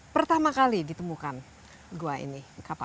pertama kali ditemukan gua ini